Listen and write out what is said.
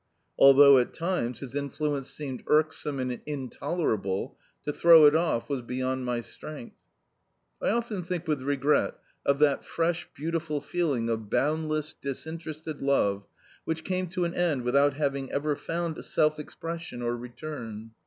Although at times his influence seemed irksome and intolerable, to throw it off was beyond my strength. I often think with regret of that fresh, beautiful feeling of boundless, disinterested love which came to an end without having ever found self expression or return.